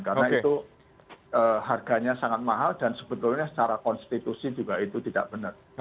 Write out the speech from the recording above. karena itu harganya sangat mahal dan sebetulnya secara konstitusi juga itu tidak benar